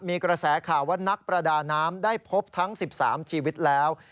มีกระแสข่าวว่านักประดาน้ำได้พบทั้ง๑๓ชีวิตแล้ว